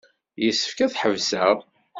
Yessefk ad tḥebseɣ.